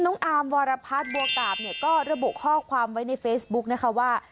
น้องอามวรพัฒน์บวกกาบก็ระบบข้อความไว้ในเฟซบุ๊คนะคะว่า